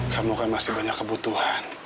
kamu kan masih banyak kebutuhan